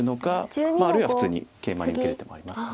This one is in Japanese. あるいは普通にケイマに受ける手もありますか。